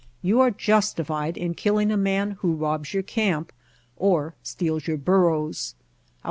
You are justified in kill ing a man who robs your camp or steals your burros.